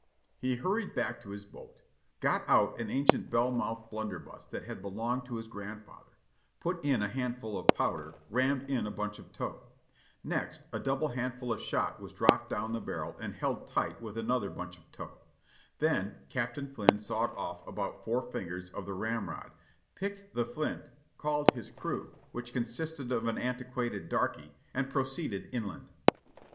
"He hurried back to his boat, got out an ancient bell mouthed blunderbuss that had belonged to his grandfather, put in a hand ful of powder, rammed in a bunch of tow; next a double handful of shot was dropped down the barrel and held tight with another bunch of tow; then Captain Flynn sawed off about four fingers of the ramrod, picked the flint, called his crew, which consisted of an antiquated darky, and proceeded inland.